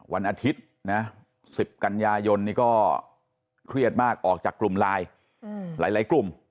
วันอาทิตย์นะ๑๐กันยายนนี่ก็เครียดมากออกจากกลุ่มไลน์หลายกลุ่ม